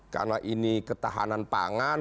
karena ini ketahanan pangan